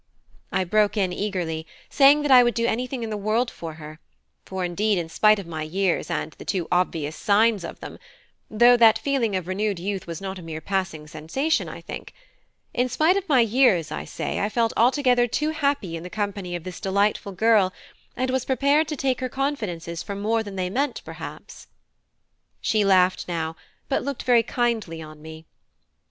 I broke in eagerly, saying that I would do anything in the world for her; for indeed, in spite of my years and the too obvious signs of them (though that feeling of renewed youth was not a mere passing sensation, I think) in spite of my years, I say, I felt altogether too happy in the company of this delightful girl, and was prepared to take her confidences for more than they meant perhaps. She laughed now, but looked very kindly on me.